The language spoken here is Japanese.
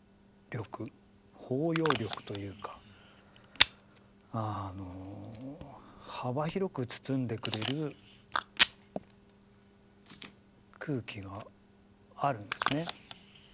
というか幅広く包んでくれる空気があるんですね。